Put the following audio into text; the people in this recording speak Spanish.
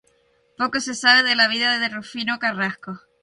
Poco se sabe de la vida de Rufino Carrasco.